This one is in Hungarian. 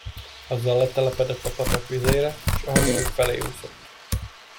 Azzal letelepedett a patak vizére, s a hattyúk felé úszott.